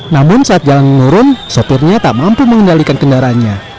namun saat jalan menurun sopirnya tak mampu mengendalikan kendaraannya